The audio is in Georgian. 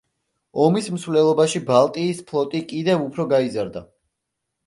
ომის მსვლელობაში ბალტიის ფლოტი კიდევ უფრო გაიზარდა.